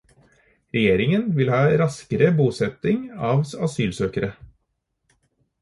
Regjeringen vil ha raskere bosetting av asylsøkere.